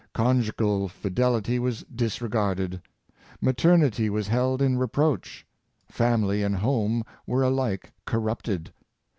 Conjugal fidelity was disregarded; maternity was held in reproach; family and home were alike corrupted.